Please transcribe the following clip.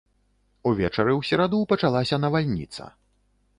Увечары ў сераду пачалася навальніца.